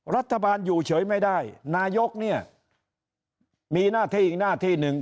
รัฐบาลอยู่เฉยไม่ได้นายกเนี่ยมีหน้าที่อีกหน้าที่หนึ่ง